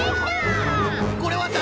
これはだ